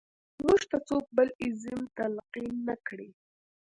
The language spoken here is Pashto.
موږ ته څوک بل ایزم تلقین نه کړي.